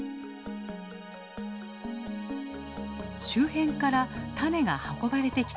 周辺から種が運ばれてきたのでしょう。